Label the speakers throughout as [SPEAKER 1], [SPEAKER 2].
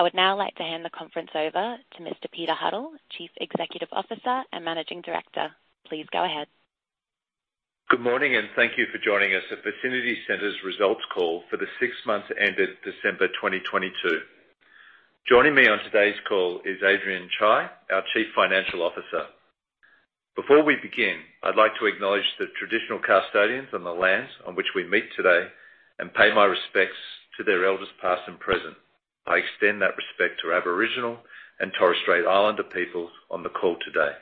[SPEAKER 1] I would now like to hand the conference over to Mr. Peter Huddle, Chief Executive Officer and Managing Director. Please go ahead.
[SPEAKER 2] Good morning, and thank you for joining us at Vicinity Centres' results call for the six months ended December 2022. Joining me on today's call is Adrian Chye, our Chief Financial Officer. Before we begin, I'd like to acknowledge the traditional custodians on the lands on which we meet today and pay my respects to their elders, past and present. I extend that respect to Aboriginal and Torres Strait Islander peoples on the call today.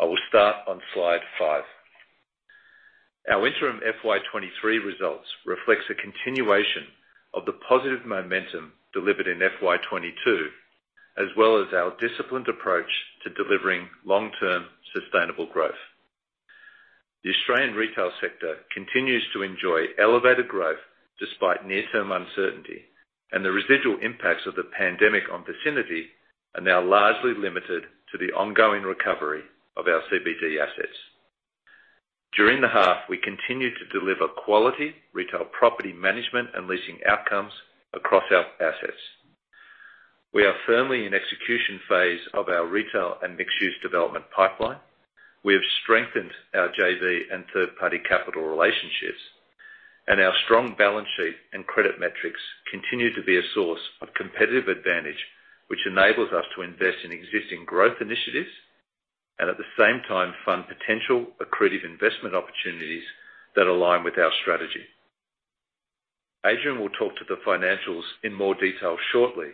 [SPEAKER 2] I will start on slide five. Our interim FY23 results reflects a continuation of the positive momentum delivered in FY22, as well as our disciplined approach to delivering long-term sustainable growth. The Australian retail sector continues to enjoy elevated growth despite near-term uncertainty, and the residual impacts of the pandemic on Vicinity are now largely limited to the ongoing recovery of our CBD assets. During the half, we continued to deliver quality retail property management and leasing outcomes across our assets. We are firmly in execution phase of our retail and mixed-use development pipeline. We have strengthened our JV and third-party capital relationships, and our strong balance sheet and credit metrics continue to be a source of competitive advantage, which enables us to invest in existing growth initiatives and at the same time fund potential accretive investment opportunities that align with our strategy. Adrian will talk to the financials in more detail shortly,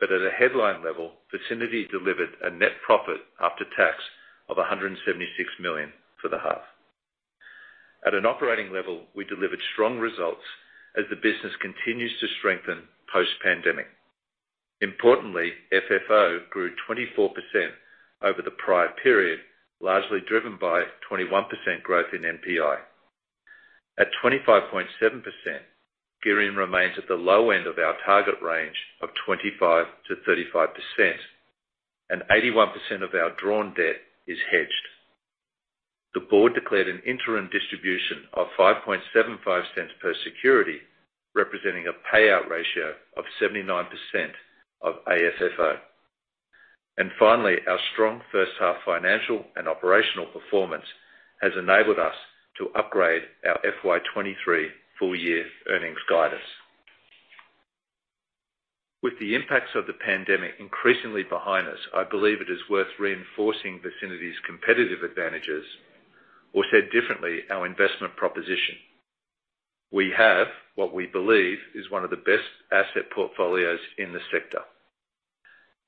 [SPEAKER 2] but at a headline level, Vicinity delivered a net profit after tax of 176 million for the half. At an operating level, we delivered strong results as the business continues to strengthen post-pandemic. Importantly, FFO grew 24% over the prior period, largely driven by 21% growth in NPI. At 25.7%, gearing remains at the low end of our target range of 25%-35%, and 81% of our drawn debt is hedged. The board declared an interim distribution of 0.0575 per security, representing a payout ratio of 79% of AFFO. Finally, our strong first half financial and operational performance has enabled us to upgrade our FY 2023 full year earnings guidance. With the impacts of the pandemic increasingly behind us, I believe it is worth reinforcing Vicinity's competitive advantages or, said differently, our investment proposition. We have what we believe is one of the best asset portfolios in the sector.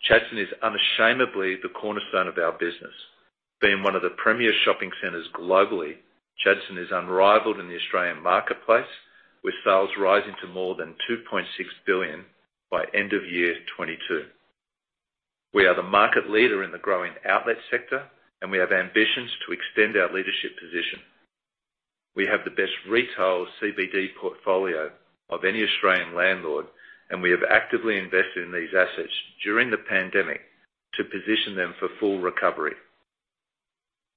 [SPEAKER 2] Chadstone is unashamedly the cornerstone of our business. Being one of the premier shopping centers globally, Chadstone is unrivaled in the Australian marketplace, with sales rising to more than AUD 2.6 billion by end of year 2022. We are the market leader in the growing outlet sector, we have ambitions to extend our leadership position. We have the best retail CBD portfolio of any Australian landlord, we have actively invested in these assets during the pandemic to position them for full recovery.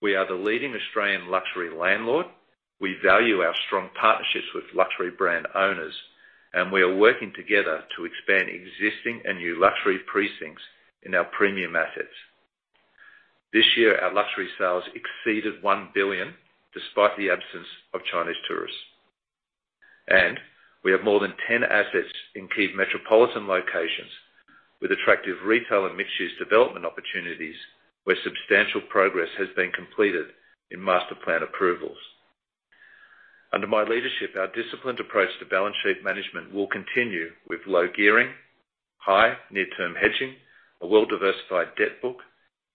[SPEAKER 2] We are the leading Australian luxury landlord. We value our strong partnerships with luxury brand owners, we are working together to expand existing and new luxury precincts in our premium assets. This year, our luxury sales exceeded 1 billion, despite the absence of Chinese tourists. We have more than 10 assets in key metropolitan locations with attractive retail and mixed-use development opportunities, where substantial progress has been completed in master plan approvals. Under my leadership, our disciplined approach to balance sheet management will continue with low gearing, high near-term hedging, a well-diversified debt book,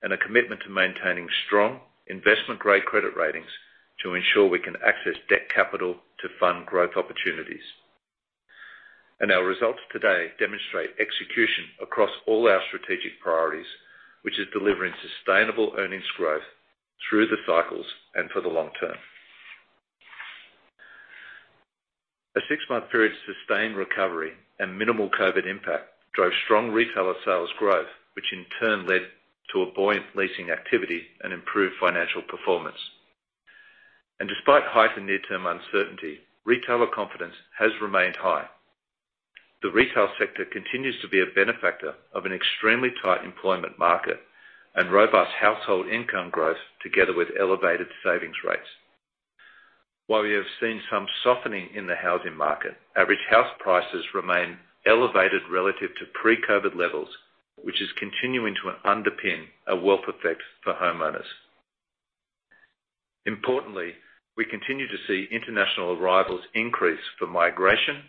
[SPEAKER 2] and a commitment to maintaining strong investment-grade credit ratings to ensure we can access debt capital to fund growth opportunities. Our results today demonstrate execution across all our strategic priorities, which is delivering sustainable earnings growth through the cycles and for the long term. A six-month period's sustained recovery and minimal COVID impact drove strong retailer sales growth, which in turn led to a buoyant leasing activity and improved financial performance. Despite heightened near-term uncertainty, retailer confidence has remained high. The retail sector continues to be a benefactor of an extremely tight employment market and robust household income growth, together with elevated savings rates. While we have seen some softening in the housing market, average house prices remain elevated relative to pre-COVID levels, which is continuing to underpin a wealth effect for homeowners. Importantly, we continue to see international arrivals increase for migration,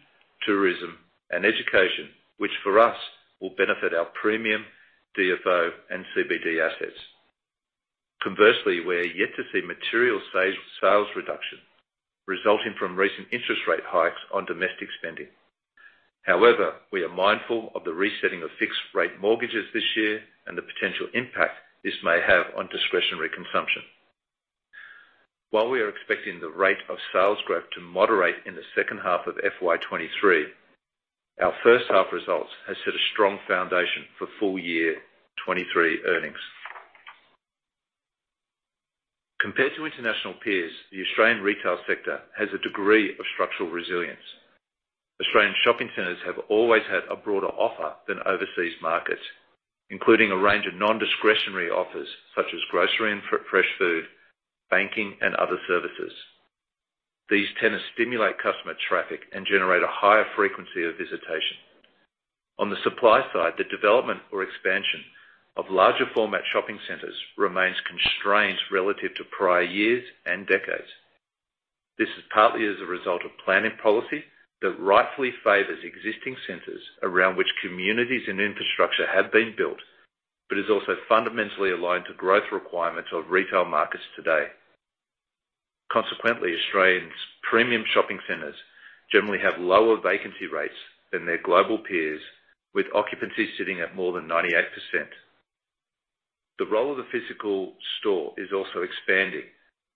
[SPEAKER 2] tourism, and education, which for us will benefit our premium DFO and CBD assets. Conversely, we are yet to see material sales reduction resulting from recent interest rate hikes on domestic spending. However, we are mindful of the resetting of fixed-rate mortgages this year and the potential impact this may have on discretionary consumption. While we are expecting the rate of sales growth to moderate in the second half of FY23, our first half results has set a strong foundation for full year 23 earnings. Compared to international peers, the Australian retail sector has a degree of structural resilience. Australian shopping centers have always had a broader offer than overseas markets, including a range of non-discretionary offers such as grocery and fresh food, banking and other services. These tenants stimulate customer traffic and generate a higher frequency of visitation. On the supply side, the development or expansion of larger format shopping centers remains constrained relative to prior years and decades. This is partly as a result of planning policy that rightfully favors existing centers around which communities and infrastructure have been built. is also fundamentally aligned to growth requirements of retail markets today. Consequently, Australians' premium shopping centers generally have lower vacancy rates than their global peers, with occupancy sitting at more than 98%. The role of the physical store is also expanding,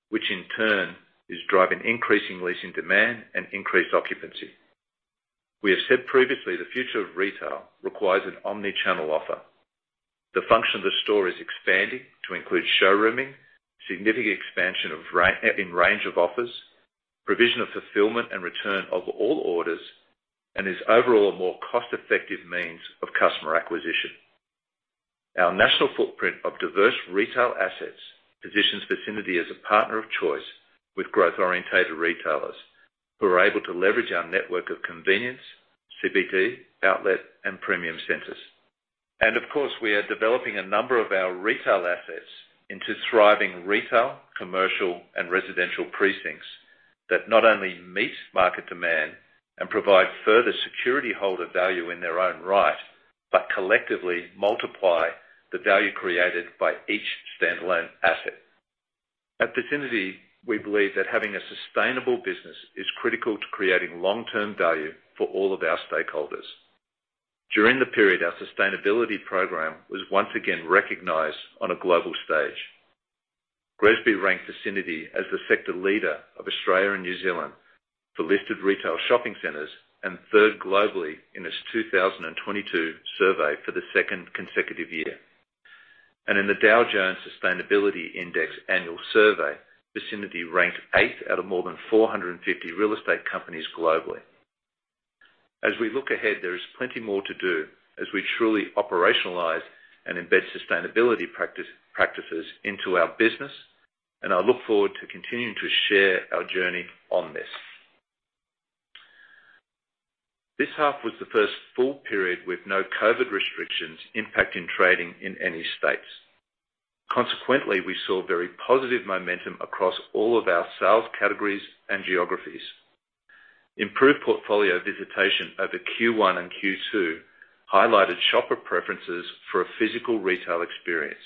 [SPEAKER 2] which in turn is driving increasing leasing demand and increased occupancy. We have said previously, the future of retail requires an omni-channel offer. The function of the store is expanding to include showrooming, significant expansion in range of offers, provision of fulfillment and return of all orders, and is overall a more cost-effective means of customer acquisition. Our national footprint of diverse retail assets positions Vicinity as a partner of choice with growth-orientated retailers who are able to leverage our network of convenience, CBD, outlet, and premium centers. Of course, we are developing a number of our retail assets into thriving retail, commercial, and residential precincts that not only meet market demand and provide further security holder value in their own right, but collectively multiply the value created by each stand-alone asset. At Vicinity, we believe that having a sustainable business is critical to creating long-term value for all of our stakeholders. During the period, our sustainability program was once again recognized on a global stage. GRESB ranked Vicinity as the sector leader of Australia and New Zealand for listed retail shopping centers and third globally in its 2022 survey for the second consecutive year. In the Dow Jones Sustainability Index annual survey, Vicinity ranked eighth out of more than 450 real estate companies globally. As we look ahead, there is plenty more to do as we truly operationalize and embed sustainability practices into our business, and I look forward to continuing to share our journey on this. This half was the first full period with no COVID restrictions impacting trading in any states. Consequently, we saw very positive momentum across all of our sales categories and geographies. Improved portfolio visitation over Q1 and Q2 highlighted shopper preferences for a physical retail experience.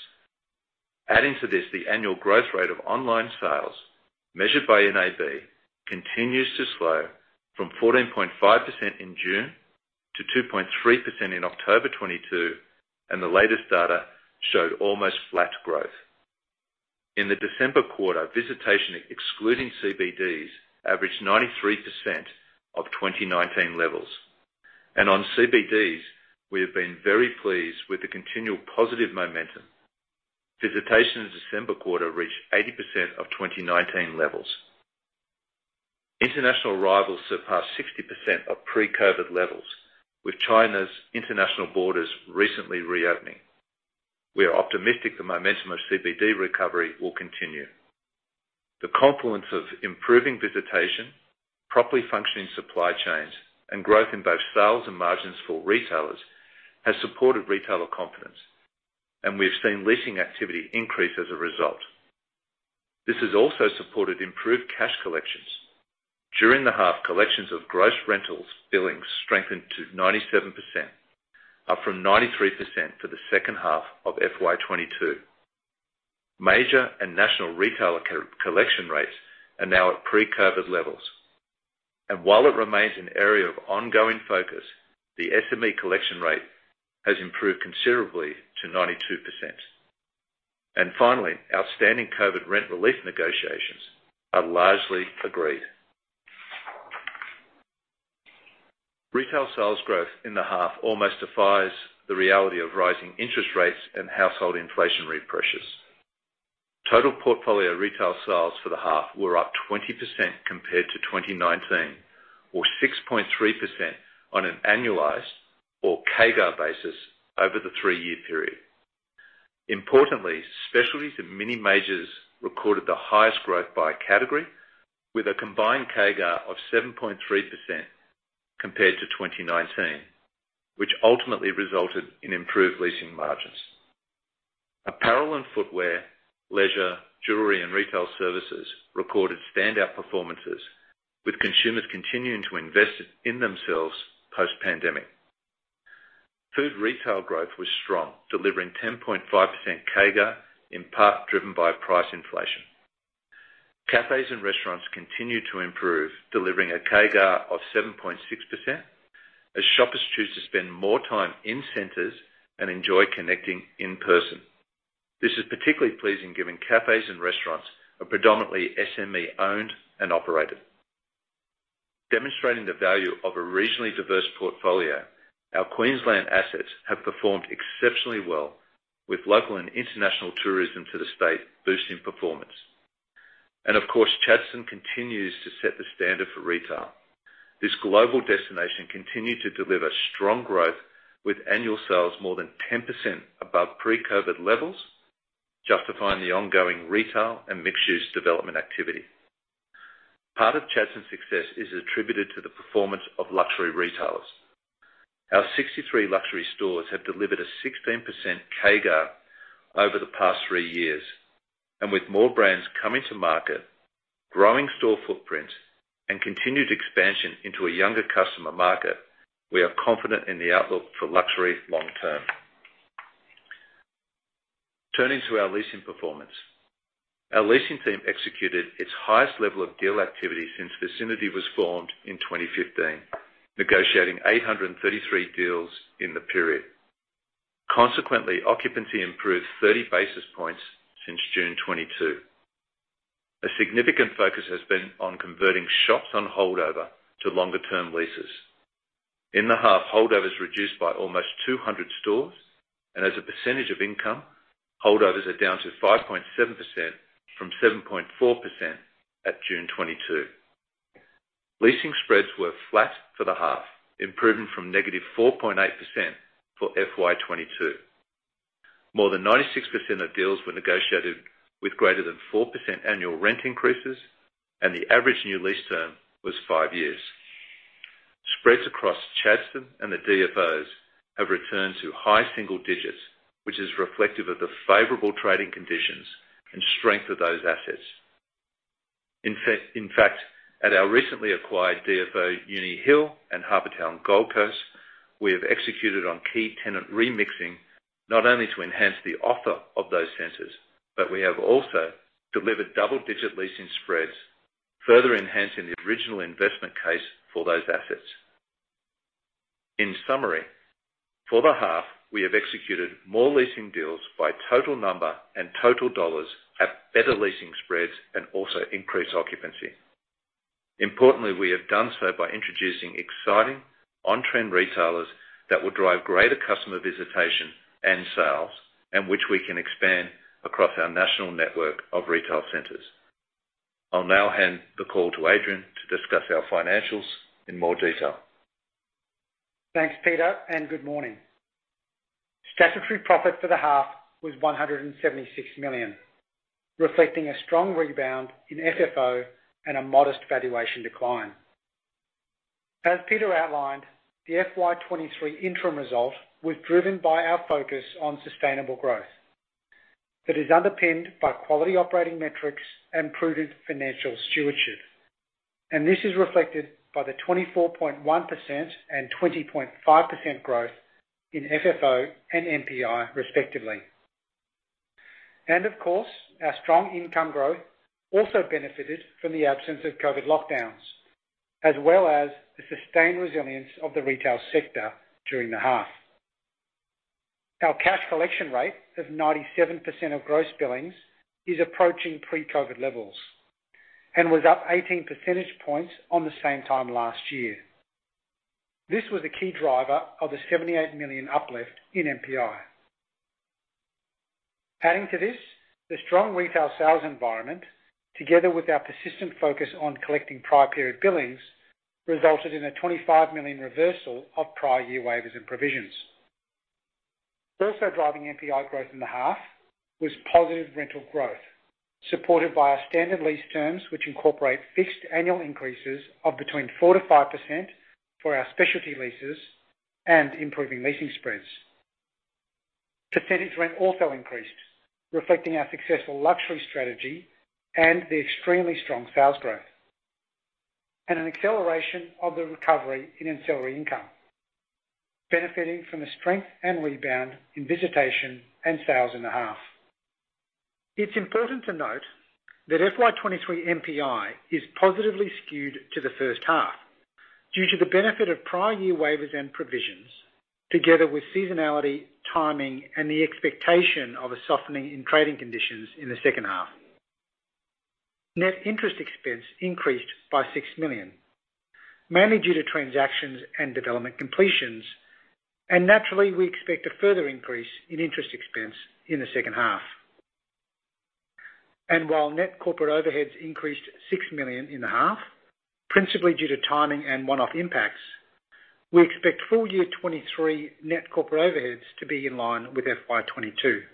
[SPEAKER 2] Adding to this, the annual growth rate of online sales measured by NAB continues to slow from 14.5% in June to 2.3% in October 2022, and the latest data showed almost flat growth. In the December quarter, visitation excluding CBDs averaged 93% of 2019 levels. On CBDs, we have been very pleased with the continual positive momentum. Visitation in December quarter reached 80% of 2019 levels. International arrivals surpassed 60% of pre-COVID levels, with China's international borders recently reopening. We are optimistic the momentum of CBD recovery will continue. The confluence of improving visitation, properly functioning supply chains, and growth in both sales and margins for retailers has supported retailer confidence. We have seen leasing activity increase as a result. This has also supported improved cash collections. During the half, collections of gross rentals billings strengthened to 97%, up from 93% for the second half of FY22. Major and national retailer co-collection rates are now at pre-COVID levels. While it remains an area of ongoing focus, the SME collection rate has improved considerably to 92%. Finally, outstanding COVID rent relief negotiations are largely agreed. Retail sales growth in the half almost defies the reality of rising interest rates and household inflationary pressures. Total portfolio retail sales for the half were up 20% compared to 2019 or 6.3% on an annualized or CAGR basis over the three-year period. Importantly, specialties and mini majors recorded the highest growth by category with a combined CAGR of 7.3% compared to 2019, which ultimately resulted in improved leasing margins. Apparel and footwear, leisure, jewelry, and retail services recorded standout performances with consumers continuing to invest in themselves post-pandemic. Food retail growth was strong, delivering 10.5% CAGR, in part driven by price inflation. Cafes and restaurants continue to improve, delivering a CAGR of 7.6% as shoppers choose to spend more time in centers and enjoy connecting in person. This is particularly pleasing, given cafes and restaurants are predominantly SME-owned and operated. Demonstrating the value of a regionally diverse portfolio, our Queensland assets have performed exceptionally well with local and international tourism to the state boosting performance. Of course, Chadstone continues to set the standard for retail. This global destination continued to deliver strong growth with annual sales more than 10% above pre-COVID levels, justifying the ongoing retail and mixed-use development activity. Part of Chadstone's success is attributed to the performance of luxury retailers. Our 63 luxury stores have delivered a 16% CAGR over the past three years. With more brands coming to market, growing store footprint, and continued expansion into a younger customer market, we are confident in the outlook for luxury long term. Turning to our leasing performance. Our leasing team executed its highest level of deal activity since Vicinity was formed in 2015, negotiating 833 deals in the period. Consequently, occupancy improved 30 basis points since June 2022. A significant focus has been on converting shops on holdover to longer term leases. In the half, holdovers reduced by almost 200 stores, and as a percentage of income, holdovers are down to 5.7% from 7.4% at June 2022. Leasing spreads were flat for the half, improving from negative 4.8% for FY22. More than 96% of deals were negotiated with greater than 4% annual rent increases, and the average new lease term was 5 years. Spreads across Chadstone and the DFOs have returned to high single digits, which is reflective of the favorable trading conditions and strength of those assets. In fact, at our recently acquired DFO, Uni Hill and Harbour Town Gold Coast, we have executed on key tenant remixing not only to enhance the offer of those centers, but we have also delivered double-digit leasing spreads, further enhancing the original investment case for those assets. In summary, for the half, we have executed more leasing deals by total number and total dollars at better leasing spreads, and also increased occupancy. Importantly, we have done so by introducing exciting on-trend retailers that will drive greater customer visitation and sales, and which we can expand across our national network of retail centers. I'll now hand the call to Adrian to discuss our financials in more detail.
[SPEAKER 3] Thanks, Peter. Good morning. Statutory profit for the half was 176 million, reflecting a strong rebound in FFO and a modest valuation decline. As Peter outlined, the FY 2023 interim result was driven by our focus on sustainable growth that is underpinned by quality operating metrics and prudent financial stewardship. This is reflected by the 24.1% and 20.5% growth in FFO and NPI respectively. Of course, our strong income growth also benefited from the absence of COVID lockdowns, as well as the sustained resilience of the retail sector during the half. Our cash collection rate of 97% of gross billings is approaching pre-COVID levels and was up 18 percentage points on the same time last year. This was a key driver of the 78 million uplift in NPI. Adding to this, the strong retail sales environment, together with our persistent focus on collecting prior period billings, resulted in an 25 million reversal of prior year waivers and provisions. Driving NPI growth in the half, was positive rental growth supported by our standard lease terms which incorporate fixed annual increases of between 4%-5% for our specialty leases and improving leasing spreads. Percentage rent also increased, reflecting our successful luxury strategy and the extremely strong sales growth, and an acceleration of the recovery in ancillary income, benefiting from the strength and rebound in visitation and sales in the half. It's important to note that FY 2023 NPI is positively skewed to the first half due to the benefit of prior year waivers and provisions, together with seasonality, timing, and the expectation of a softening in trading conditions in the second half. Net interest expense increased by 6 million, mainly due to transactions and development completions. Naturally, we expect a further increase in interest expense in the second half. While net corporate overheads increased 6 million in the half, principally due to timing and one-off impacts, we expect full year 2023 net corporate overheads to be in line with FY 2022.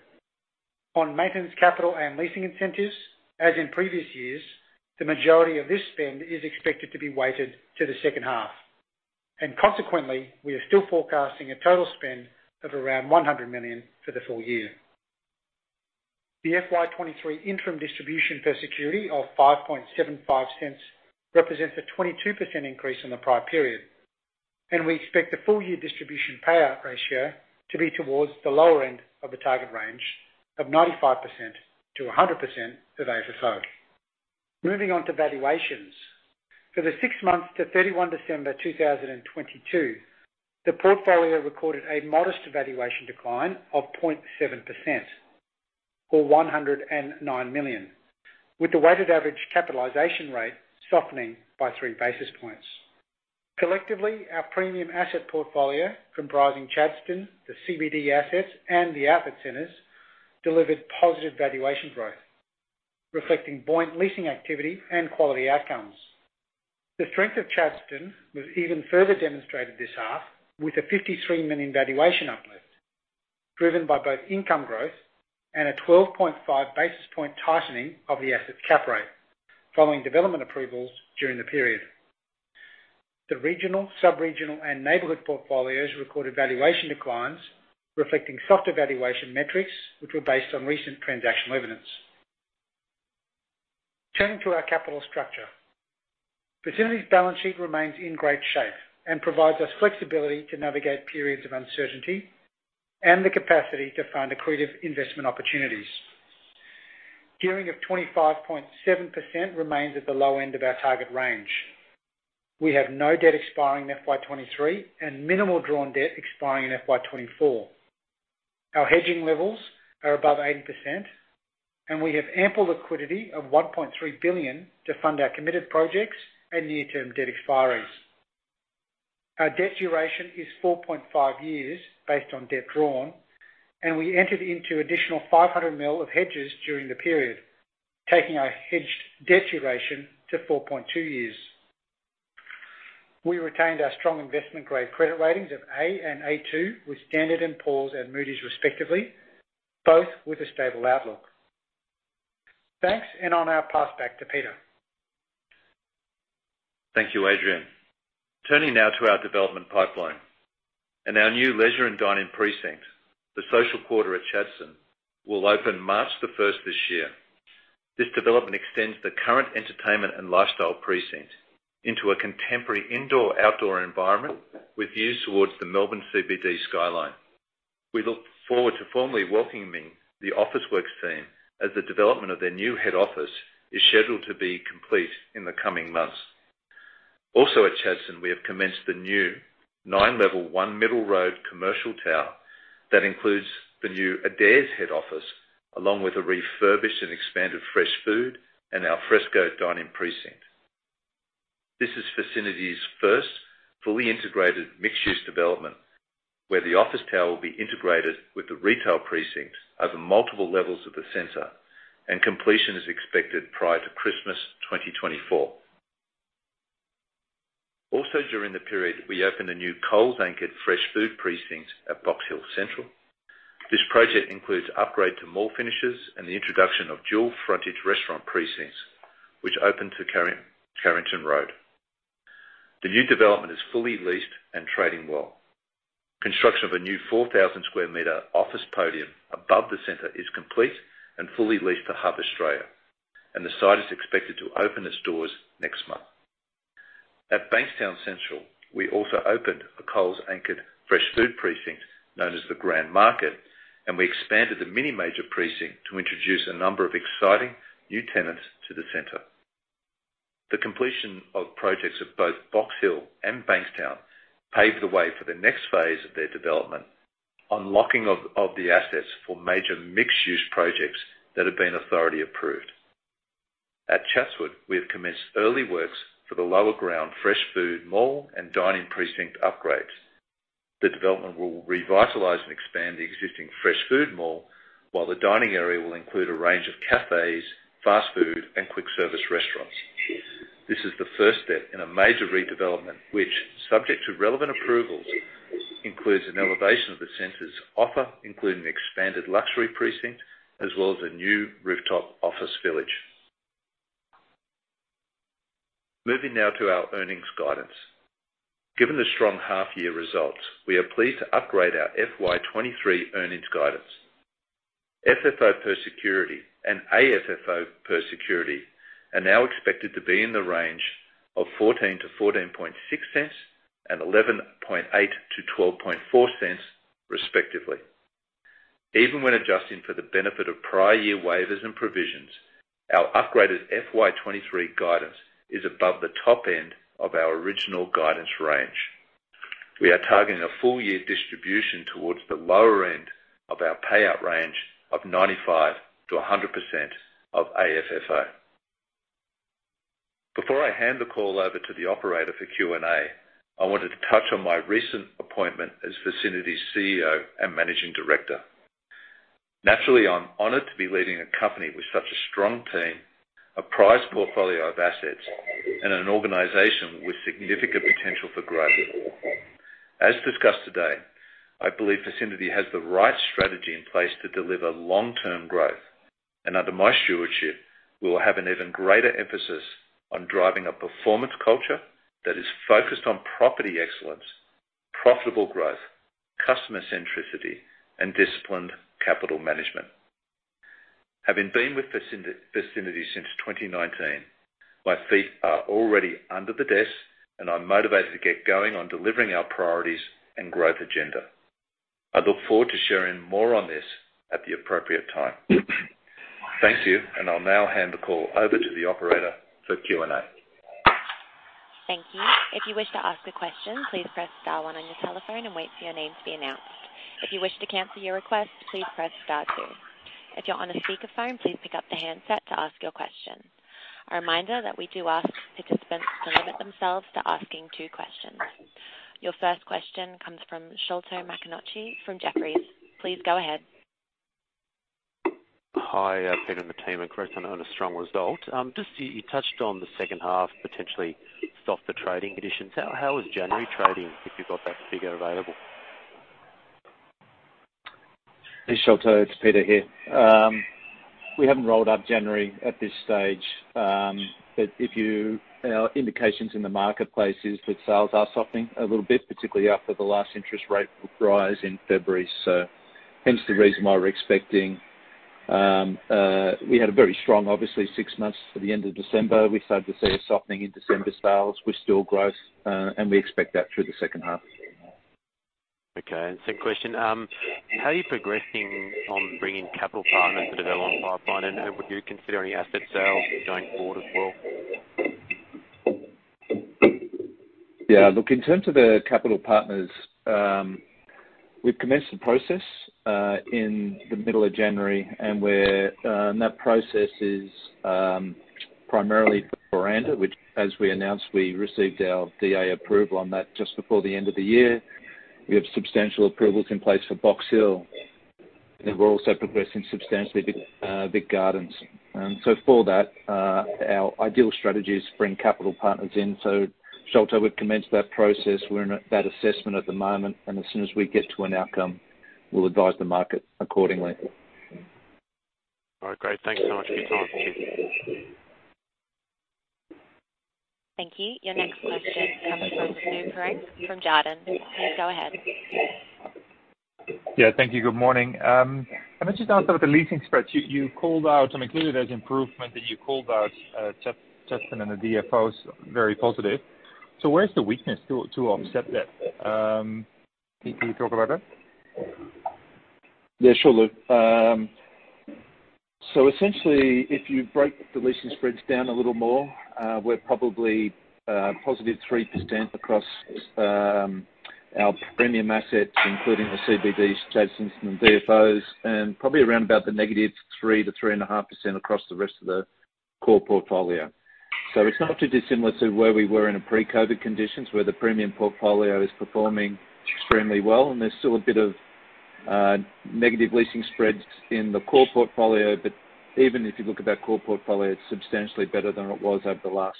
[SPEAKER 3] On maintenance, capital, and leasing incentives, as in previous years, the majority of this spend is expected to be weighted to the second half. Consequently, we are still forecasting a total spend of around 100 million for the full year. The FY 2023 interim distribution per security of 0.0575 represents a 22% increase on the prior period. We expect the full-year distribution payout ratio to be towards the lower end of the target range of 95%-100% of FFO. Moving on to valuations. For the six months to 31 December 2022, the portfolio recorded a modest valuation decline of 0.7%. 109 million, with the weighted average capitalization rate softening by three basis points. Collectively, our premium asset portfolio comprising Chadstone, the CBD assets, and the DFO centers, delivered positive valuation growth, reflecting buoyant leasing activity and quality outcomes. The strength of Chadstone was even further demonstrated this half, with an 53 million valuation uplift driven by both income growth and a 12.5 basis point tightening of the asset cap rate following development approvals during the period. The regional, sub-regional, and neighborhood portfolios recorded valuation declines, reflecting softer valuation metrics which were based on recent transactional evidence. Turning to our capital structure. Vicinity's balance sheet remains in great shape and provides us flexibility to navigate periods of uncertainty and the capacity to fund accretive investment opportunities. Gearing of 25.7% remains at the low end of our target range. We have no debt expiring in FY 2023 and minimal drawn debt expiring in FY 2024. Our hedging levels are above 80%, and we have ample liquidity of 1.3 billion to fund our committed projects and near-term debt expiries. Our debt duration is 4.5 years based on debt drawn, and we entered into additional 500 million of hedges during the period, taking our hedged debt duration to 4.2 years. We retained our strong investment-grade credit ratings of A and A2 with S&P Global Ratings and Moody's respectively, both with a stable outlook. Thanks. I'll now pass back to Peter.
[SPEAKER 2] Thank you, Adrian. Turning now to our development pipeline and our new leisure and dining precinct. The Social Quarter at Chadstone will open March the first this year. This development extends the current entertainment and lifestyle precinct into a contemporary indoor-outdoor environment with views towards the Melbourne CBD skyline. We look forward to formally welcoming the Officeworks team as the development of their new head office is scheduled to be complete in the coming months. Also at Chadstone, we have commenced the new nine-level One Middle Road commercial tower that includes the new Adairs head office, along with a refurbished and expanded fresh food and al fresco dining precinct. This is Vicinity's first fully integrated mixed-use development, where the office tower will be integrated with the retail precinct over multiple levels of the center, and completion is expected prior to Christmas 2024. During the period, we opened a new Coles anchored fresh food precinct at Box Hill Central. This project includes upgrade to mall finishes and the introduction of dual frontage restaurant precincts, which opened to Carrington Road. The new development is fully leased and trading well. Construction of a new 4,000 square meter office podium above the center is complete and fully leased to Hub Australia, the site is expected to open its doors next month. At Bankstown Central, we also opened a Coles anchored fresh food precinct known as The Grand Market, we expanded the mini major precinct to introduce a number of exciting new tenants to the center. The completion of projects at both Box Hill and Bankstown paved the way for the next phase of their development, unlocking of the assets for major mixed-use projects that have been authority approved. At Chatswood, we have commenced early works for the lower ground fresh food mall and dining precinct upgrades. The development will revitalize and expand the existing fresh food mall, while the dining area will include a range of cafes, fast food, and quick service restaurants. This is the first step in a major redevelopment which, subject to relevant approvals, includes an elevation of the center's offer, including expanded luxury precinct as well as a new rooftop office village. Moving now to our earnings guidance. Given the strong half-year results, we are pleased to upgrade our FY23 earnings guidance. FFO per security and AFFO per security are now expected to be in the range of 14-14.6 cents and 11.8-12.4 cents, respectively. Even when adjusting for the benefit of prior year waivers and provisions, our upgraded FY23 guidance is above the top end of our original guidance range. We are targeting a full year distribution towards the lower end of our payout range of 95%-100% of AFFO. Before I hand the call over to the operator for Q&A, I wanted to touch on my recent appointment as Vicinity's CEO and Managing Director. Naturally, I'm honored to be leading a company with such a strong team, a prized portfolio of assets, and an organization with significant potential for growth. As discussed today, I believe Vicinity has the right strategy in place to deliver long-term growth. Under my stewardship, we will have an even greater emphasis on driving a performance culture that is focused on property excellence, profitable growth, customer centricity, and disciplined capital management. Having been with Vicinity since 2019, my feet are already under the desk. I'm motivated to get going on delivering our priorities and growth agenda. I look forward to sharing more on this at the appropriate time. Thank you. I'll now hand the call over to the operator for Q&A.
[SPEAKER 1] Thank you. If you wish to ask a question, please press star one on your telephone and wait for your name to be announced. If you wish to cancel your request, please press star two. If you're on a speakerphone, please pick up the handset to ask your question. A reminder that we do ask participants to limit themselves to asking two questions. Your first question comes from Sholto Maconochie from Jefferies. Please go ahead.
[SPEAKER 4] Hi, Peter and the team. A great and a strong result. Just you touched on the second half, potentially softer trading conditions. How was January trading, if you've got that figure available?
[SPEAKER 2] Hey, Sholto. It's Peter here. We haven't rolled out January at this stage. Our indications in the marketplace is that sales are softening a little bit, particularly after the last interest rate rise in February. Hence the reason. We had a very strong, obviously, six months for the end of December. We started to see a softening in December sales. We're still growth, and we expect that through the second half.
[SPEAKER 4] Okay. Second question, how are you progressing on bringing capital partners to develop on pipeline, and would you consider any asset sales going forward as well?
[SPEAKER 2] Yeah. Look, in terms of the capital partners, we've commenced the process in the middle of January, that process is primarily for Buranda, which, as we announced, we received our DA approval on that just before the end of the year. We have substantial approvals in place for Box Hill, we're also progressing substantially with Vic Gardens. For that, our ideal strategy is to bring capital partners in. Sholto, we've commenced that process. We're in that assessment at the moment, as soon as we get to an outcome, we'll advise the market accordingly.
[SPEAKER 4] All right. Great. Thanks so much for your time. Cheers.
[SPEAKER 1] Thank you. Your next question comes from Lou Pirenc from Jarden. Please go ahead.
[SPEAKER 5] Yeah. Thank you. Good morning. I might just ask about the leasing spreads. You called out, I mean, clearly there's improvement that you called out, Chatswood Chase and the DFOs, very positive. Where's the weakness to offset that? Can you talk about that?
[SPEAKER 2] Yeah, sure, Lou. Essentially, if you break the leasing spreads down a little more, we're probably positive 3% across our premium assets, including the CBDs, Chatswood Chase and DFOs, and probably around about the -3% to 3.5% across the rest of the core portfolio . It's not too dissimilar to where we were in a pre-COVID conditions, where the premium portfolio is performing extremely well, and there's still a bit of negative leasing spreads in the core portfolio. Even if you look at that core portfolio, it's substantially better than it was over the last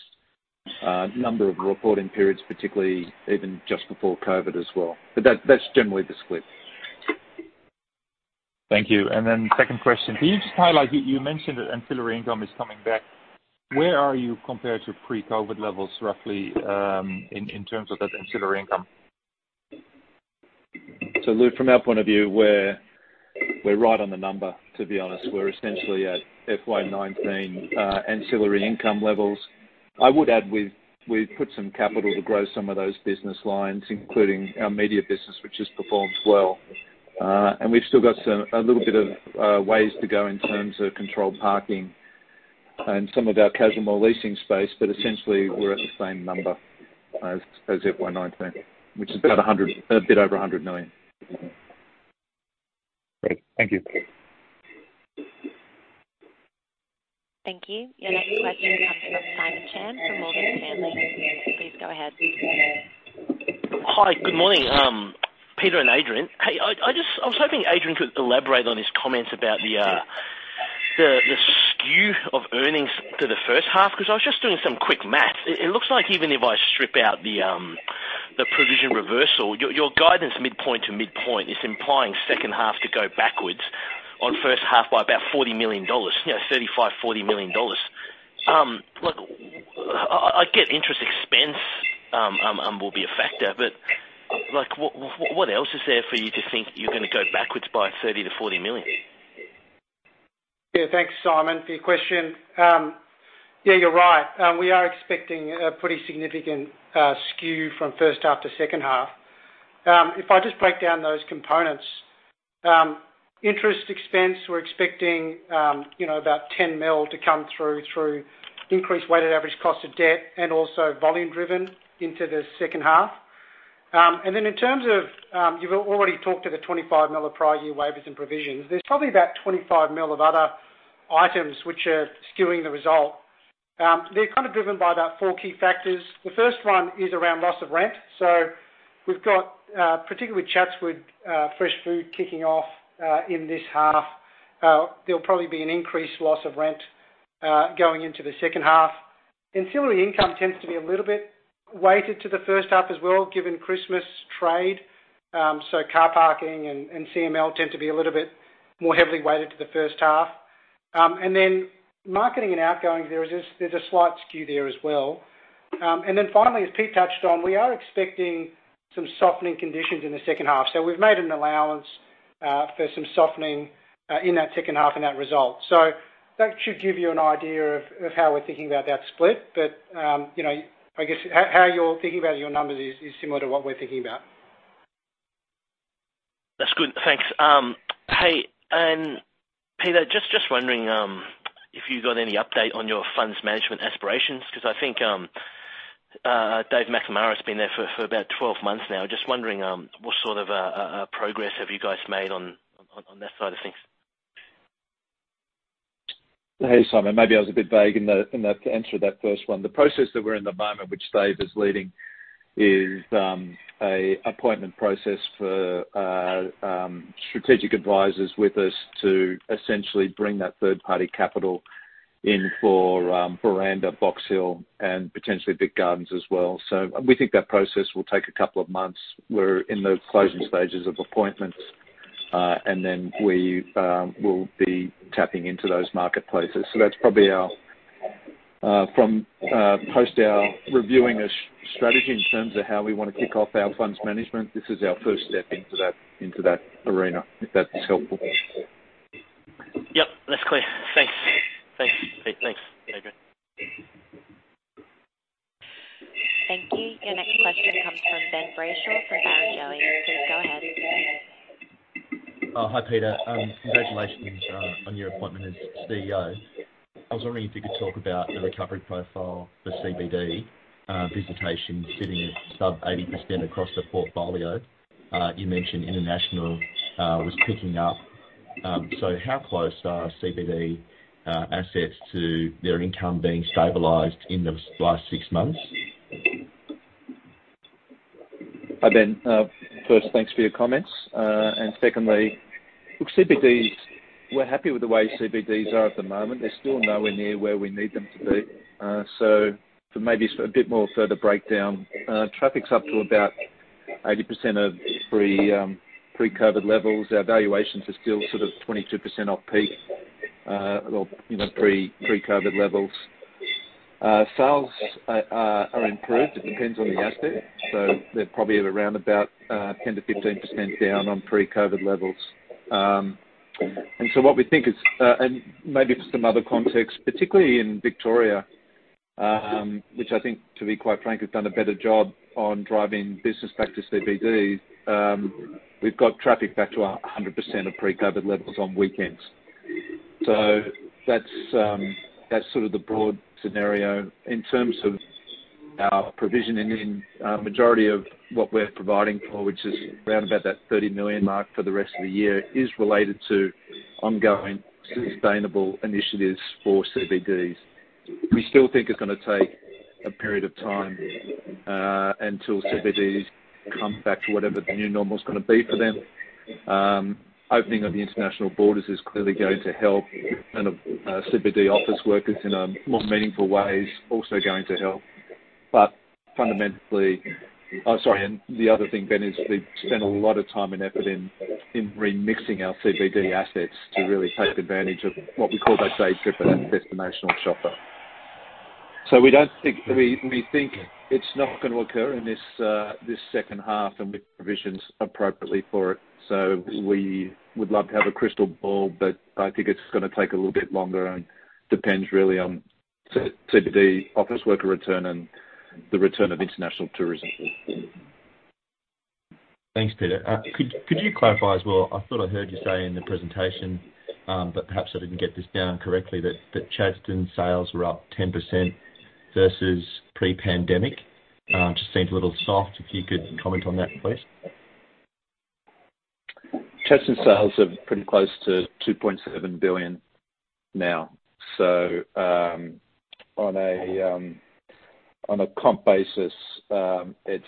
[SPEAKER 2] number of reporting periods, particularly even just before COVID as well. That's generally the split.
[SPEAKER 5] Thank you. Second question. Can you just highlight, you mentioned that ancillary income is coming back. Where are you compared to pre-COVID levels, roughly, in terms of that ancillary income?
[SPEAKER 2] Lou, from our point of view, we're right on the number, to be honest. We're essentially at FY19 ancillary income levels. I would add we've put some capital to grow some of those business lines, including our media business, which has performed well. And we've still got some, a little bit of ways to go in terms of controlled parking and some of our casual leasing space. But essentially, we're at the same number as FY19, which is about 100 million, a bit over 100 million.
[SPEAKER 5] Great. Thank you.
[SPEAKER 1] Thank you. Your next question comes from Simon Chan from Morgan Stanley. Please go ahead.
[SPEAKER 6] Hi. Good morning, Peter and Adrian. Hey, I was hoping Adrian could elaborate on his comments about the skew of earnings to the first half, because I was just doing some quick math. It looks like even if I strip out the provision reversal, your guidance midpoint to midpoint is implying second half to go backwards on first half by about 40 million dollars. You know, 35 million-40 million dollars. Look, I get interest expense will be a factor, but, like, what else is there for you to think you're gonna go backwards by 30 million-40 million?
[SPEAKER 3] Thanks, Simon, for your question. You're right. We are expecting a pretty significant skew from first half to second half. If I just break down those components, interest expense, we're expecting, you know, about 10 million to come through through increased weighted average cost of debt and also volume driven into the second half. In terms of, you've already talked to the 25 million of prior year waivers and provisions. There's probably about 25 million of other items which are skewing the result. They're kind of driven by about four key factors. The first one is around loss of rent. We've got, particularly Chatswood, fresh food kicking off in this half. There'll probably be an increased loss of rent going into the second half. Ancillary income tends to be a little bit weighted to the first half as well, given Christmas trade. Car parking and CML tend to be a little bit more heavily weighted to the first half. Marketing and outgoing, there's a slight skew there as well. Finally, as Pete touched on, we are expecting some softening conditions in the second half. We've made an allowance for some softening in that second half in that result. That should give you an idea of how we're thinking about that split. You know, I guess how you're thinking about your numbers is similar to what we're thinking about.
[SPEAKER 6] That's good. Thanks. Hey, Peter, just wondering if you got any update on your funds management aspirations because I think David McNamara's been there for about 12 months now. Just wondering what sort of progress have you guys made on that side of things?
[SPEAKER 2] Simon, maybe I was a bit vague in the answer to that first one. The process that we're in at the moment, which David is leading, is a appointment process for strategic advisors with us to essentially bring that third party capital in for Buranda, Box Hill and potentially Vic Gardens as well. We think that process will take a couple of months. We're in the closing stages of appointments, and then we will be tapping into those marketplaces. From post our reviewing a strategy in terms of how we wanna kick off our funds management, this is our first step into that, into that arena, if that's helpful.
[SPEAKER 6] Yep, that's clear. Thanks. Thanks. Thanks, Adrian.
[SPEAKER 1] Thank you. Your next question comes from Ben Brayshaw from Barrenjoey. Please go ahead.
[SPEAKER 7] Hi, Peter. Congratulations on your appointment as CEO. I was wondering if you could talk about the recovery profile for CBD visitation sitting at sub 80% across the portfolio. You mentioned international was picking up. How close are CBD assets to their income being stabilized in the last six months?
[SPEAKER 2] Hi, Ben. First, thanks for your comments. Secondly, look, CBDs, we're happy with the way CBDs are at the moment. They're still nowhere near where we need them to be. For maybe a bit more further breakdown, traffic's up to about 80% of pre-COVID levels. Our valuations are still sort of 22% off peak, or, you know, pre-COVID levels. Sales are improved. It depends on the asset. They're probably at around about 10%-15% down on pre-COVID levels. What we think is... Maybe for some other context, particularly in Victoria, which I think, to be quite frank, has done a better job on driving business back to CBDs. We've got traffic back to 100% of pre-COVID levels on weekends. That's, that's sort of the broad scenario. In terms of our provision in this, majority of what we're providing for, which is around about that 30 million mark for the rest of the year, is related to ongoing sustainable initiatives for CBDs. We still think it's gonna take a period of time, until CBDs come back to whatever the new normal is gonna be for them. Opening of the international borders is clearly going to help and CBD office workers in a more meaningful way is also going to help. Fundamentally... The other thing, Ben, is we've spent a lot of time and effort in remixing our CBD assets to really take advantage of what we call those day tripper and destinational shopper. We think it's not gonna occur in this second half, and we've provisioned appropriately for it. We would love to have a crystal ball, but I think it's gonna take a little bit longer and depends really on CBD office worker return and the return of international tourism.
[SPEAKER 7] Thanks, Peter. Could you clarify as well, I thought I heard you say in the presentation, but perhaps I didn't get this down correctly, that Chadstone sales were up 10% versus pre-pandemic? Just seems a little soft. If you could comment on that, please.
[SPEAKER 2] Chadstone sales are pretty close to 2.7 billion now. On a comp basis, it's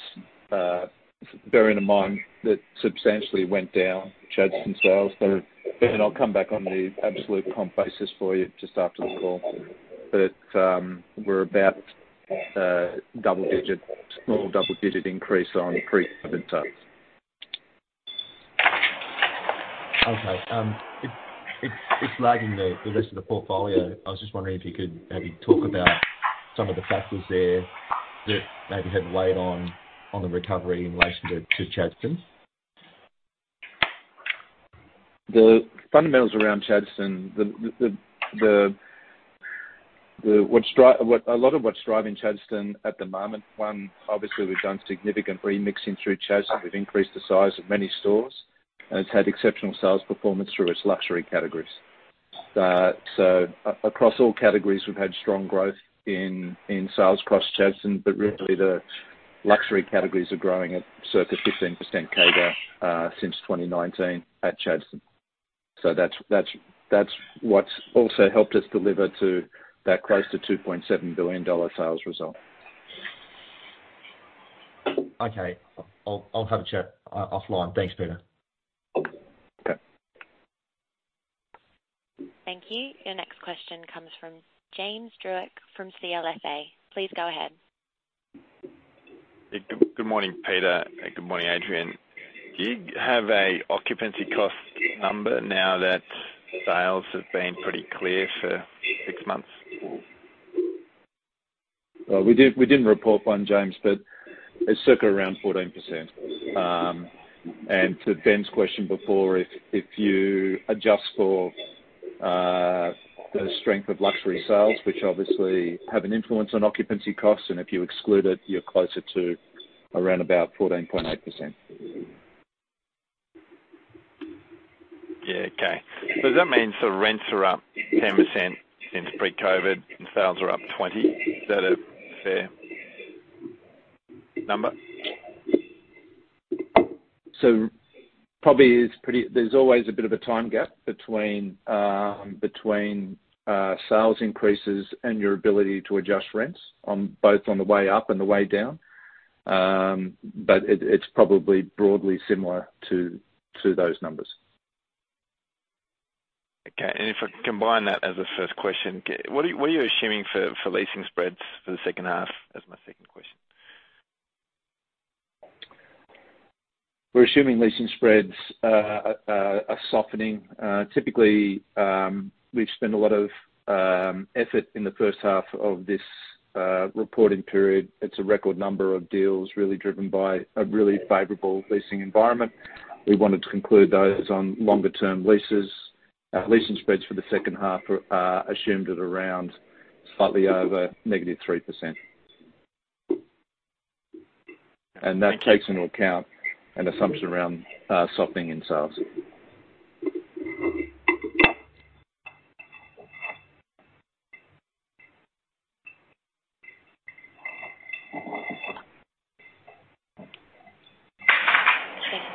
[SPEAKER 2] bearing in mind that substantially went down, Chadstone sales. Ben, I'll come back on the absolute comp basis for you just after the call. We're about double-digit, small double-digit increase on pre-COVID.
[SPEAKER 7] Okay. It's lagging the rest of the portfolio. I was just wondering if you could maybe talk about some of the factors there that maybe have weighed on the recovery in relation to Chadstone.
[SPEAKER 2] The fundamentals around Chadstone, a lot of what's driving Chadstone at the moment, one, obviously we've done significant remixing through Chadstone. We've increased the size of many stores, it's had exceptional sales performance through its luxury categories. Across all categories, we've had strong growth in sales across Chadstone, but really the luxury categories are growing at circa 15% CAGR since 2019 at Chadstone. That's what's also helped us deliver to that close to 2.7 billion dollar sales result.
[SPEAKER 7] Okay. I'll have a chat offline. Thanks, Peter.
[SPEAKER 2] Okay.
[SPEAKER 1] Thank you. Your next question comes from James Druce from CLSA. Please go ahead.
[SPEAKER 8] Good morning, Peter. Good morning, Adrian. Do you have a occupancy cost number now that sales have been pretty clear for six months?
[SPEAKER 2] We didn't report one, James, but it's circa around 14%. To Ben's question before, if you adjust for the strength of luxury sales, which obviously have an influence on occupancy costs, and if you exclude it, you're closer to around about 14.8%.
[SPEAKER 8] Yeah. Okay. Does that mean so rents are up 10% since pre-COVID and sales are up 20? Is that a fair number?
[SPEAKER 2] Probably there's always a bit of a time gap between sales increases and your ability to adjust rents on both on the way up and the way down. It's probably broadly similar to those numbers.
[SPEAKER 8] Okay. if I combine that as a first question, what are you assuming for leasing spreads for the second half? That's my second question.
[SPEAKER 2] We're assuming leasing spreads are softening. Typically, we've spent a lot of effort in the first half of this reporting period. It's a record number of deals really driven by a really favorable leasing environment. We wanted to conclude those on longer term leases. Leasing spreads for the second half are assumed at around slightly over negative 3%. That takes into account an assumption around softening in sales.
[SPEAKER 1] Thank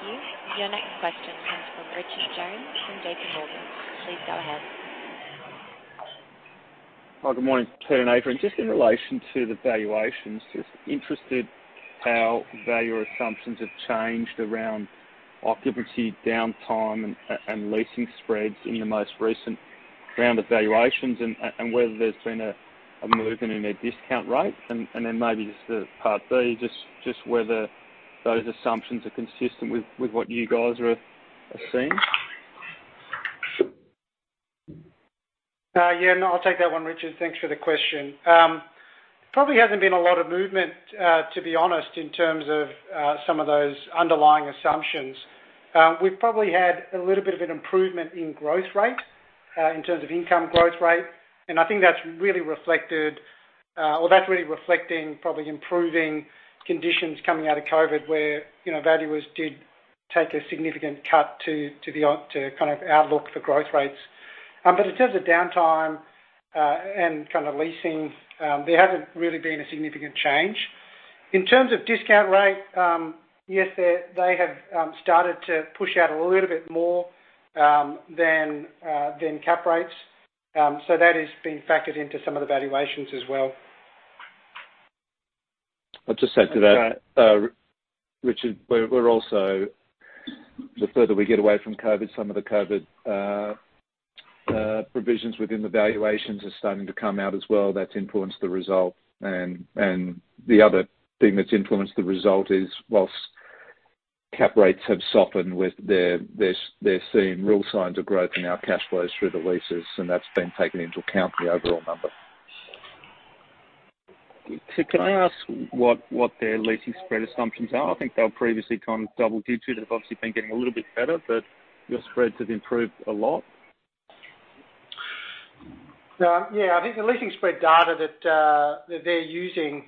[SPEAKER 1] you. Your next question comes from Richard Jones from J.P. Morgan. Please go ahead.
[SPEAKER 9] Hi, good morning, Peter and Adrian. Just in relation to the valuations, just interested how value assumptions have changed around occupancy downtime and leasing spreads in your most recent round of valuations, and whether there's been a movement in their discount rate? Then maybe just part B, just whether those assumptions are consistent with what you guys are seeing?
[SPEAKER 3] Yeah, no, I'll take that one, Richard Jones. Thanks for the question. Probably hasn't been a lot of movement, to be honest, in terms of some of those underlying assumptions. We've probably had a little bit of an improvement in growth rate, in terms of income growth rate, and I think that's really reflected, or that's really reflecting probably improving conditions coming out of COVID, where, you know, valuers did take a significant cut to kind of outlook for growth rates. In terms of downtime, and kind of leasing, there hasn't really been a significant change. In terms of discount rate, yes, they have started to push out a little bit more than cap rates. That is being factored into some of the valuations as well.
[SPEAKER 2] I'll just add to that.
[SPEAKER 3] Okay.
[SPEAKER 2] Richard, we're also. The further we get away from COVID, some of the COVID provisions within the valuations are starting to come out as well. That's influenced the result. The other thing that's influenced the result is whilst cap rates have softened, they're seeing real signs of growth in our cash flows through the leases, and that's been taken into account in the overall number.
[SPEAKER 9] Can I ask what their leasing spread assumptions are? I think they've previously kind of double digits. They've obviously been getting a little bit better, but your spreads have improved a lot.
[SPEAKER 3] Yeah. I think the leasing spread data that they're using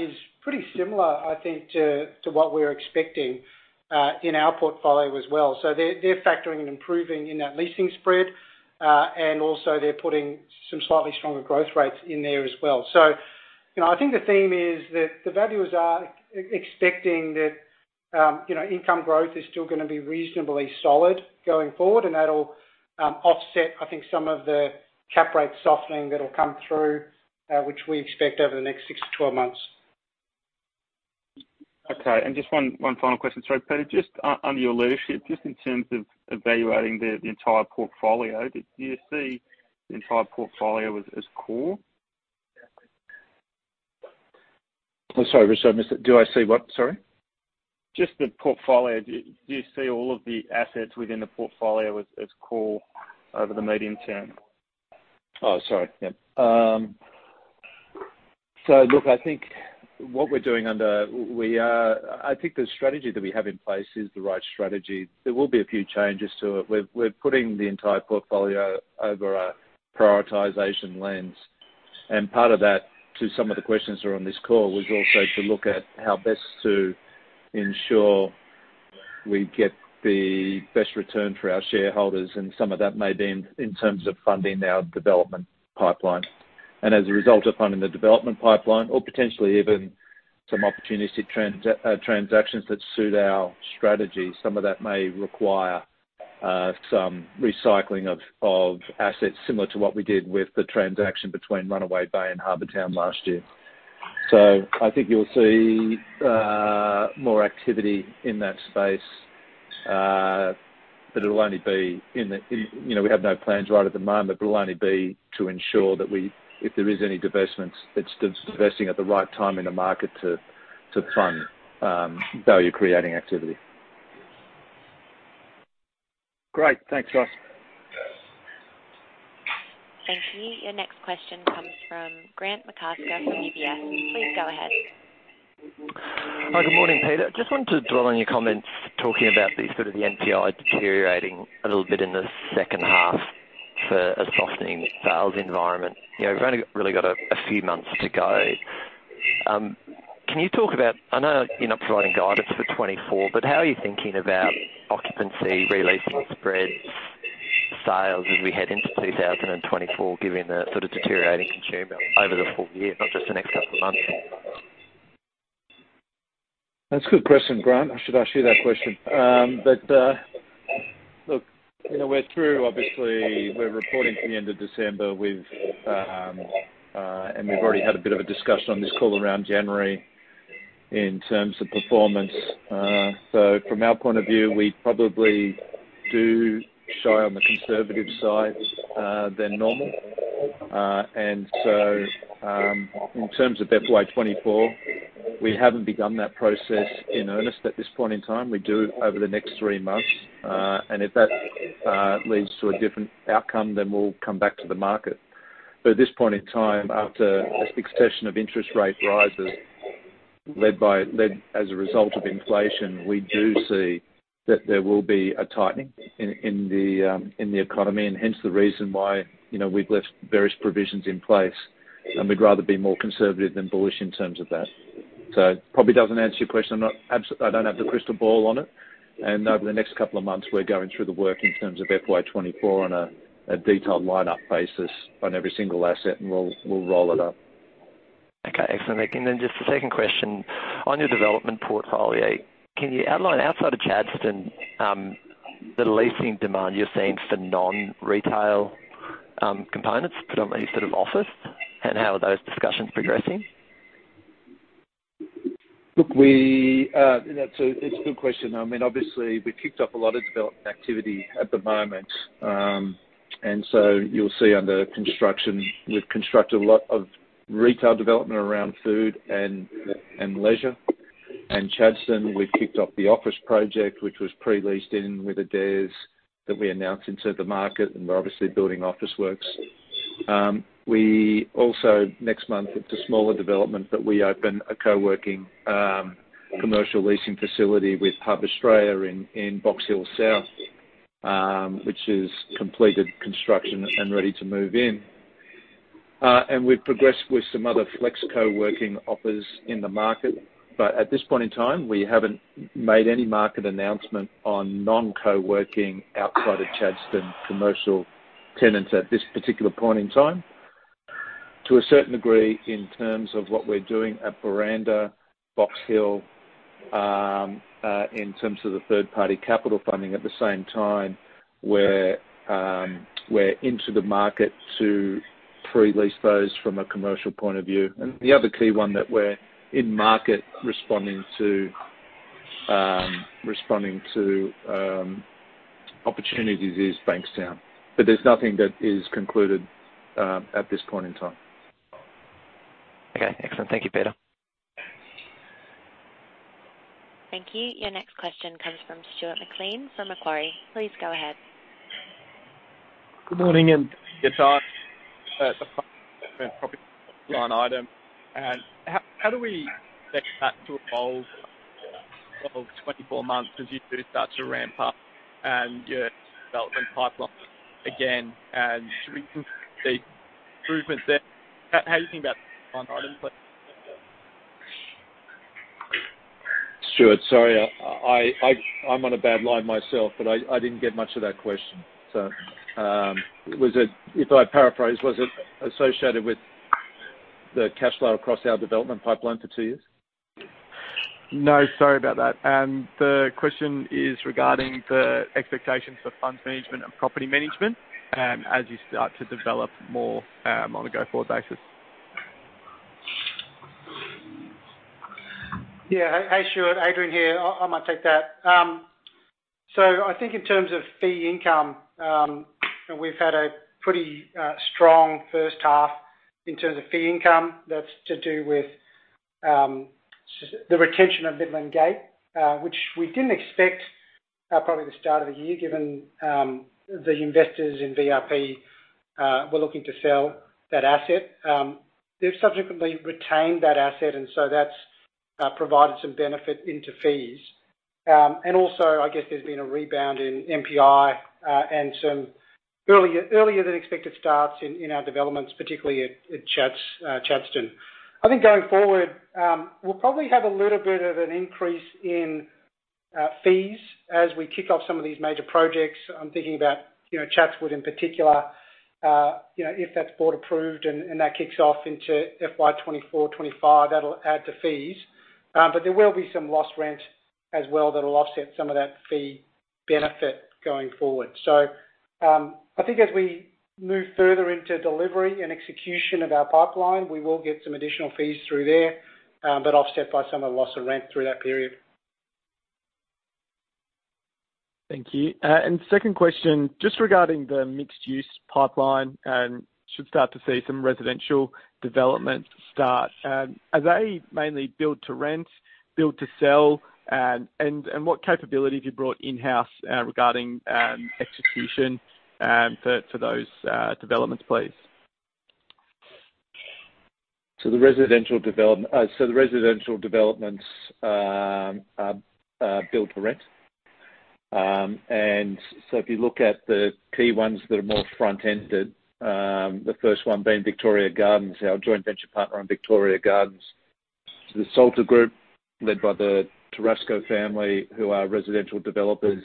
[SPEAKER 3] is pretty similar, I think, to what we're expecting in our portfolio as well. They're factoring and improving in that leasing spread, and also they're putting some slightly stronger growth rates in there as well. You know, I think the theme is that the valuers are expecting that, you know, income growth is still going to be reasonably solid going forward, and that will offset, I think, some of the cap rate softening that will come through, which we expect over the next six to 12 months.
[SPEAKER 9] Okay. Just one final question. Sorry, Peter. Just under your leadership, just in terms of evaluating the entire portfolio, do you see the entire portfolio as core?
[SPEAKER 2] I'm sorry, Richard, I missed that. Do I see what? Sorry.
[SPEAKER 9] Just the portfolio. Do you see all of the assets within the portfolio as core over the medium term?
[SPEAKER 2] Oh, sorry. Yeah. Look, I think the strategy that we have in place is the right strategy. There will be a few changes to it. We're putting the entire portfolio over a prioritization lens. Part of that, to some of the questions are on this call, was also to look at how best to ensure we get the best return for our shareholders, and some of that may be in terms of funding our development pipeline. As a result of funding the development pipeline or potentially even some opportunistic transactions that suit our strategy, some of that may require some recycling of assets similar to what we did with the transaction between Runaway Bay and Harbor Town last year. I think you'll see more activity in that space, but it'll only be. You know, we have no plans right at the moment, but it'll only be to ensure that if there is any divestments, it's divesting at the right time in the market to fund value creating activity.
[SPEAKER 9] Great. Thanks, guys.
[SPEAKER 1] Thank you. Your next question comes from Grant McCasker from UBS. Please go ahead.
[SPEAKER 10] Hi, good morning, Peter. Just wanted to dwell on your comments talking about the sort of the NPI deteriorating a little bit in the second half for a softening sales environment. You know, we've only really got a few months to go. I know you're not providing guidance for 2024, but how are you thinking about occupancy, re-leasing spreads, sales as we head into 2024, given the sort of deteriorating consumer over the full year, not just the next couple of months?
[SPEAKER 2] That's a good question, Grant. I should ask you that question. look, you know, we're through obviously we're reporting to the end of December. We've already had a bit of a discussion on this call around January in terms of performance. From our point of view, we probably do shy on the conservative side than normal. In terms of FY24, we haven't begun that process in earnest at this point in time. We do over the next three months. If that leads to a different outcome, then we'll come back to the market. At this point in time, after a succession of interest rate rises led as a result of inflation, we do see that there will be a tightening in the economy and hence the reason why, you know, we've left various provisions in place, and we'd rather be more conservative than bullish in terms of that. It probably doesn't answer your question. I don't have the crystal ball on it. Over the next couple of months, we're going through the work in terms of FY 2024 on a detailed line-up basis on every single asset, and we'll roll it up.
[SPEAKER 10] Okay. Excellent. Just a second question. On your development portfolio, can you outline outside of Chadstone, the leasing demand you're seeing for non-retail, components, predominantly sort of office, and how are those discussions progressing?
[SPEAKER 2] Look, I mean, it's a good question. I mean, obviously we kicked off a lot of development activity at the moment. You'll see under construction, we've constructed a lot of retail development around food and leisure. Chadstone, we've kicked off the office project, which was pre-leased in with Adairs that we announced into the market, and we're obviously building Officeworks. We also next month, it's a smaller development, but we open a co-working commercial leasing facility with Hub Australia in Box Hill South, which is completed construction and ready to move in. We've progressed with some other flex co-working offers in the market. At this point in time, we haven't made any market announcement on non-co-working outside of Chadstone commercial tenants at this particular point in time. To a certain degree, in terms of what we're doing at Buranda, Box Hill, in terms of the third-party capital funding at the same time, we're into the market to pre-lease those from a commercial point of view. The other key one that we're in market responding to opportunities is Bankstown. There's nothing that is concluded at this point in time.
[SPEAKER 10] Okay. Excellent. Thank you, Peter.
[SPEAKER 1] Thank you. Your next question comes from Stuart McLean from Macquarie. Please go ahead.
[SPEAKER 11] Good morning, and good time. item. How do we set that to a goal of 24 months as you two start to ramp up and your development pipeline again? Should we see improvement there? How do you think that item, please?
[SPEAKER 2] Stuart, sorry. I'm on a bad line myself, but I didn't get much of that question. If I paraphrase, was it associated with the cash flow across our development pipeline for two years?
[SPEAKER 11] No, sorry about that. The question is regarding the expectations for funds management and property management, as you start to develop more, on a go-forward basis.
[SPEAKER 3] Hey, Stuart. Adrian here. I might take that. I think in terms of fee income, we've had a pretty strong first half in terms of fee income. That's to do with the retention of Midland Gate, which we didn't expect probably the start of the year, given the investors in VIP were looking to sell that asset. They've subsequently retained that asset, that's provided some benefit into fees. I guess there's been a rebound in NPI and some earlier than expected starts in our developments, particularly at Chadstone. I think going forward, we'll probably have a little bit of an increase in fees as we kick off some of these major projects. I'm thinking about, you know, Chatswood in particular, you know, if that's board approved and that kicks off into FY 2024/2025, that'll add to fees. There will be some lost rent as well that'll offset some of that fee benefit going forward. I think as we move further into delivery and execution of our pipeline, we will get some additional fees through there, but offset by some of the loss of rent through that period.
[SPEAKER 11] Thank you. Second question, just regarding the mixed-use pipeline and should start to see some residential development start. Are they mainly build to rent, build to sell? And what capabilities you brought in-house, regarding, execution, for those, developments, please?
[SPEAKER 2] The residential developments are built for rent. If you look at the key ones that are more front-ended, the first one being Victoria Gardens, our joint venture partner on Victoria Gardens. The Salta Group, led by the Tarascio family, who are residential developers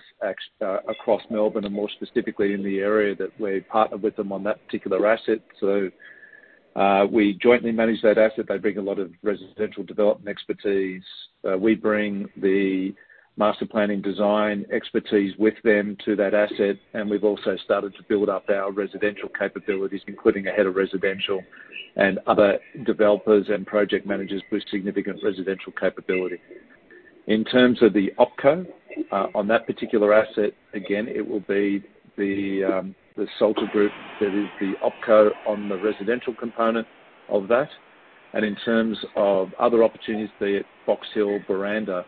[SPEAKER 2] across Melbourne, and more specifically in the area that we're partnered with them on that particular asset. We jointly manage that asset. They bring a lot of residential development expertise. We bring the master planning design expertise with them to that asset, and we've also started to build up our residential capabilities, including a head of residential and other developers and project managers with significant residential capability. In terms of the OpCo on that particular asset, again, it will be the Salta Group that is the OpCo on the residential component of that. In terms of other opportunities, be it Box Hill, Buranda,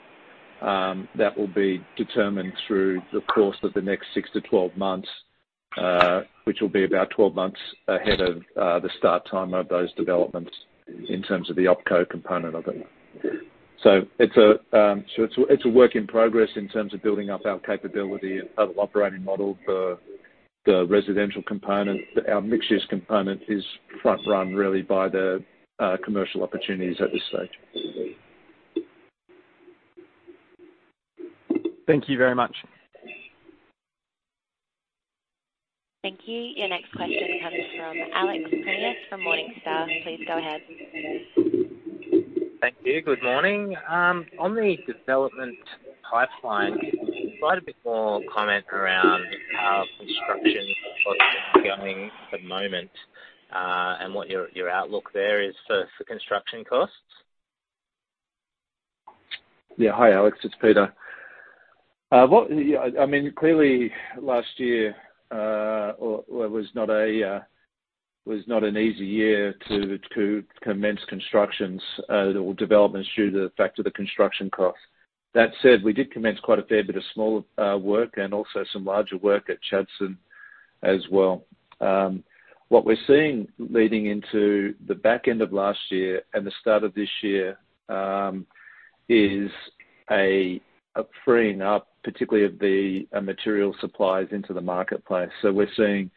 [SPEAKER 2] that will be determined through the course of the next six to 12 months, which will be about 12 months ahead of the start time of those developments in terms of the OpCo component of it. It's a work in progress in terms of building up our capability and operating model for the residential component. Our mixtures component is front run really by the commercial opportunities at this stage.
[SPEAKER 12] Thank you very much.
[SPEAKER 1] Thank you. Your next question comes from Alex Prineas from Morningstar. Please go ahead.
[SPEAKER 12] Thank you. Good morning. On the development pipeline, could you provide a bit more comment around how construction costs are going at the moment, and what your outlook there is for construction costs?
[SPEAKER 2] Yeah. Hi, Alex. It's Peter. Yeah, I mean, clearly last year, or was not an easy year to commence constructions or developments due to the fact of the construction costs. That said, we did commence quite a fair bit of smaller work and also some larger work at Chadstone as well. What we're seeing leading into the back end of last year and the start of this year, is a freeing up, particularly of the material supplies into the marketplace. We're seeing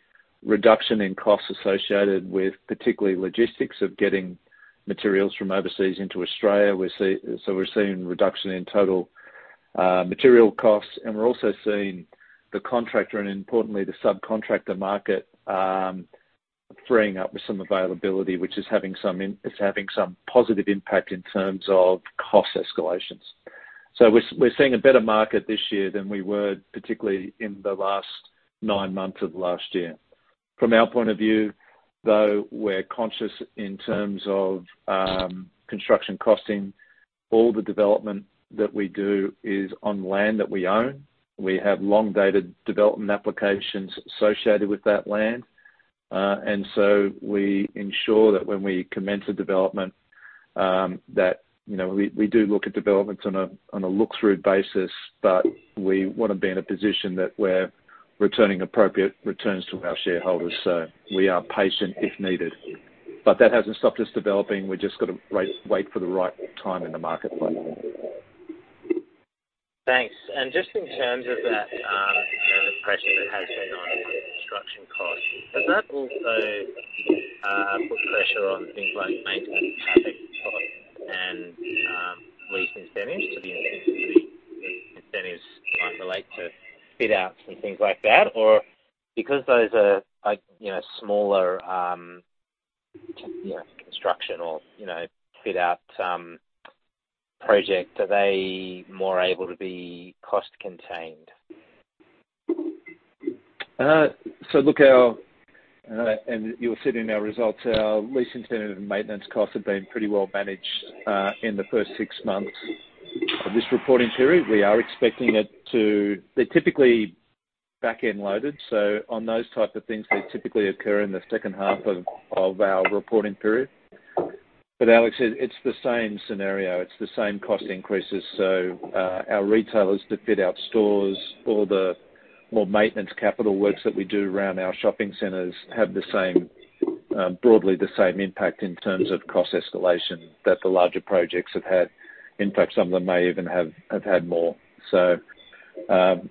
[SPEAKER 2] reduction in costs associated with particularly logistics of getting materials from overseas into Australia. We're seeing reduction in total material costs, and we're also seeing the contractor and importantly, the subcontractor market freeing up with some availability, which is having some positive impact in terms of cost escalations. We're seeing a better market this year than we were, particularly in the last nine months of last year. From our point of view, though, we're conscious in terms of construction costing. All the development that we do is on land that we own. We have long-dated development applications associated with that land. We ensure that when we commence a development, that, you know, we do look at developments on a look-through basis, but we wanna be in a position that we're returning appropriate returns to our shareholders. We are patient if needed. That hasn't stopped us developing. We've just got to wait for the right time in the marketplace.
[SPEAKER 12] Thanks. Just in terms of that, you know, the pressure that has been on construction costs, has that also put pressure on things like maintenance CapEx costs and lease incentives to the extent that the incentives might relate to fit outs and things like that? Because those are, you know, smaller, you know, construction or, you know, fit out, project, are they more able to be cost-contained?
[SPEAKER 2] Look, and you'll see it in our results, our lease incentive and maintenance costs have been pretty well managed in the first six months of this reporting period. They're typically back-end loaded, on those type of things they typically occur in the second half of our reporting period. Alex, it's the same scenario. It's the same cost increases. Our retailers that fit out stores or the more maintenance capital works that we do around our shopping centers have the same, broadly the same impact in terms of cost escalation that the larger projects have had. In fact, some of them may even have had more.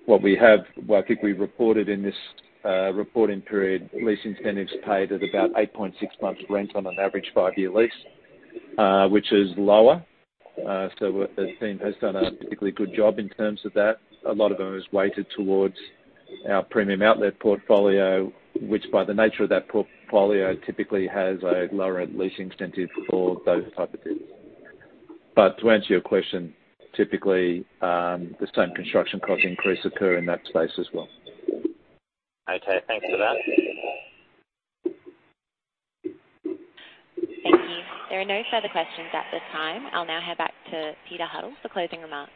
[SPEAKER 2] What we have, I think we reported in this reporting period, lease incentives paid at about 8.6 months rent on an average five-year lease, which is lower. The team has done a particularly good job in terms of that. A lot of them is weighted towards our premium outlet portfolio, which by the nature of that portfolio, typically has a lower lease incentive for those type of deals. To answer your question, typically, the same construction cost increase occur in that space as well.
[SPEAKER 12] Okay, thanks for that.
[SPEAKER 1] Thank you. There are no further questions at this time. I'll now hand back to Peter Huddle for closing remarks.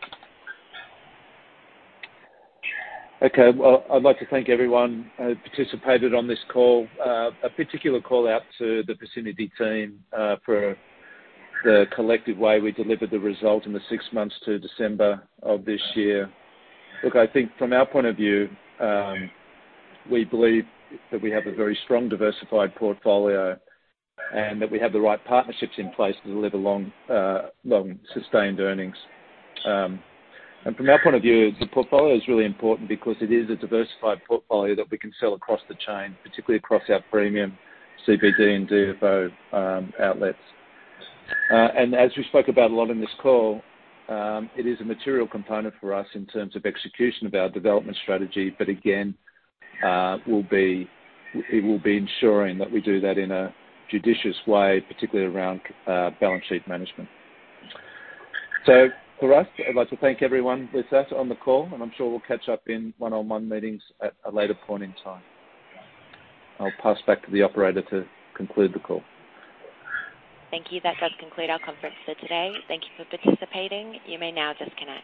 [SPEAKER 2] Okay. I'd like to thank everyone who participated on this call. A particular call-out to the Vicinity team for the collective way we delivered the result in the six months to December of this year. I think from our point of view, we believe that we have a very strong diversified portfolio and that we have the right partnerships in place to deliver long, sustained earnings. From our point of view, the portfolio is really important because it is a diversified portfolio that we can sell across the chain, particularly across our premium CBD and DFO outlets. As we spoke about a lot in this call, it is a material component for us in terms of execution of our development strategy. Again, it will be ensuring that we do that in a judicious way, particularly around balance sheet management. For us, I'd like to thank everyone with us on the call, and I'm sure we'll catch up in one-on-one meetings at a later point in time. I'll pass back to the operator to conclude the call.
[SPEAKER 1] Thank you. That does conclude our conference for today. Thank you for participating. You may now disconnect.